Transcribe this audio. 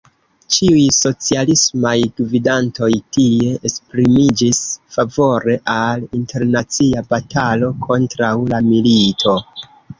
Ĉiuj socialismaj gvidantoj tie esprimiĝis favore al internacia batalo kontraŭ la milito.